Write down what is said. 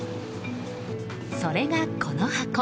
それが、この箱。